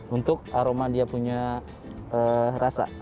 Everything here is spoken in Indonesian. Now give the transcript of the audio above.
untuk aroma dia punya rasa